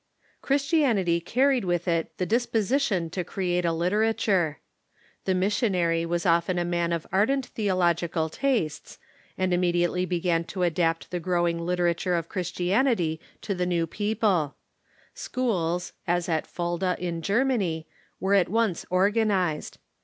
Christianity carried with it the disposition to create a liter ature. The missionary was often a man of ardent theological „^... tastes, and immediately be<xan to adapt the growing Scholarship ' r l i^ ■•,^^ T 1 literature or Christianity to the new people, bchools, as at Fulda, in Germany, were at once organized.